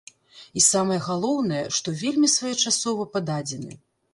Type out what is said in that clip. І самае галоўнае, што вельмі своечасова пададзены.